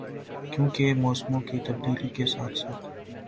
کیونکہ موسموں کی تبدیلی کے ساتھ ساتھ